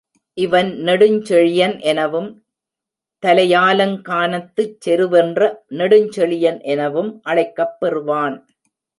இவன் நெடுஞ்செழியன் எனவும் தலையாலங்கானத்துச் செருவென்ற நெடுஞ்செழியன் எனவும் அழைக்கப் பெறுவான்.